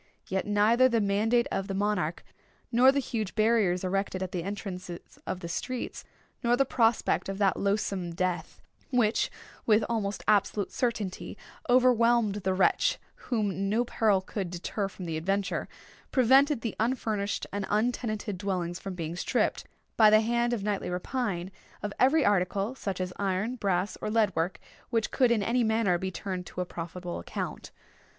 Yet neither the mandate of the monarch, nor the huge barriers erected at the entrances of the streets, nor the prospect of that loathsome death which, with almost absolute certainty, overwhelmed the wretch whom no peril could deter from the adventure, prevented the unfurnished and untenanted dwellings from being stripped, by the hand of nightly rapine, of every article, such as iron, brass, or lead work, which could in any manner be turned to a profitable account.